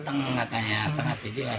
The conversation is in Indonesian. tidak katanya setengah tidur